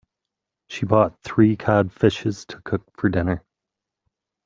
She bought three cod fishes to cook for dinner.